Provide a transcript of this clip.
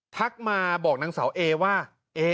ทักมาบอกนางสาวเอว่า